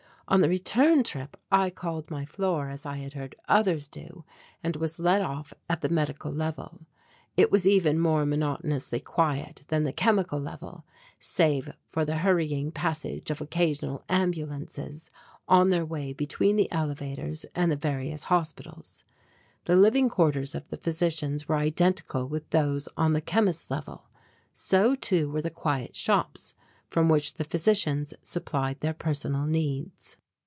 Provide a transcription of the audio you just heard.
On the return trip I called my floor as I had heard others do and was let off at the medical level. It was even more monotonously quiet than the chemical level, save for the hurrying passage of occasional ambulances on their way between the elevators and the various hospitals. The living quarters of the physicians were identical with those on the chemists' level. So, too, were the quiet shops from which the physicians supplied their personal needs.